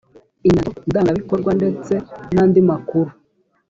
inyandiko ndangabikorwa ndetse n andi makuru